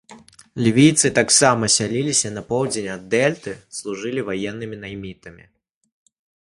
Лівійцы таксама сяліліся на поўдзень ад дэльты, служылі ваеннымі наймітамі.